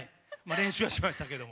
練習はしましたけども。